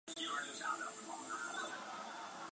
现任董事局主席兼董事总经理为郭炳联。